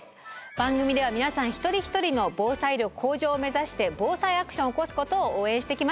番組では皆さん一人一人の防災力向上を目指して「ＢＯＳＡＩアクション」を起こすことを応援してきました。